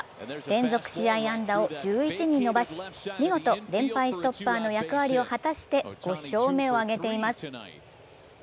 連続試合安打を１１に伸ばし、見事連敗ストッパーの役割を果たして５勝目を挙げています。